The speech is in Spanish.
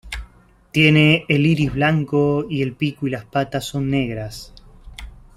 Tiene el iris blanco y el pico y las patas son negras.